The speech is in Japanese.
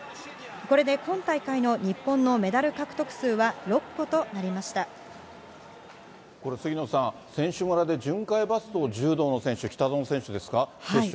これで今大会の日本のメダル獲得これ、杉野さん、選手村で、巡回バスと柔道の選手、北薗選手ですか、接触。